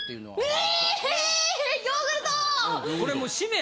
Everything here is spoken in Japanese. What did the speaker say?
え！